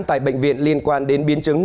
tại bệnh viện liên quan đến biến chứng